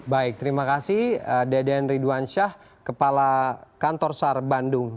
baik terima kasih deden ridwansyah kepala kantor sar bandung